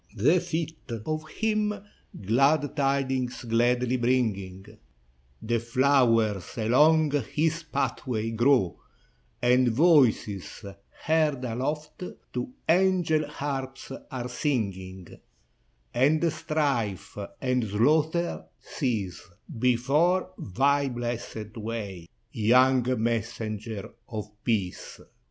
The feet of him glad tidings gladly bringing; 41 ITALY The flowers along his pathway grow, And voices, heard aloft, to angel harps are singing; And strife and slaughter cease Before thy blessed way. Young Messenger of Peace!